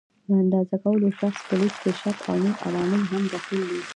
د اندازه کوونکي شخص په لید کې شک او نور عوامل هم دخیل دي.